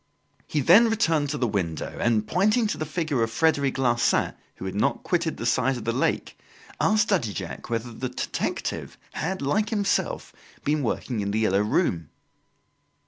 He then returned to the window and, pointing to the figure of Frederic Larsan, who had not quitted the side of the lake, asked Daddy Jacques whether the detective had, like himself, been working in "The Yellow Room"?